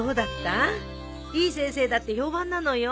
いい先生だって評判なのよ。